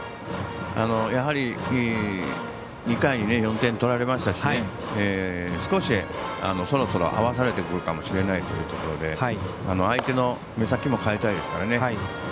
やはり２回に４点取られましたし少し、そろそろ合わされてくるかもしれないというところで相手の目先も変えたいですからね。